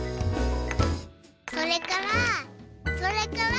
それからそれから。